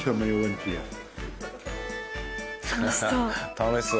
楽しそう。